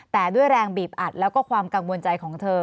แต่ด้วยแรงบีบอัดแล้วก็ความกังวลใจของเธอ